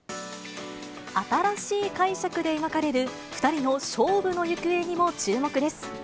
新しい解釈で描かれる、２人の勝負の行方にも注目です。